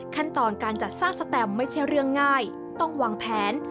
ขั้นตอนการจัดสร้างสแตมไม่ใช่เรื่องง่ายต้องวางแผน